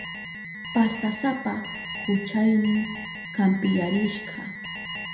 Pastasapa kuchaynin kampiyarishka.